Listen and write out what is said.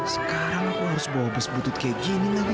sekarang aku harus bawa bus butut kayak gini lagi